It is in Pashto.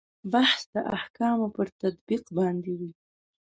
بحث د احکامو پر تطبیق باندې وي.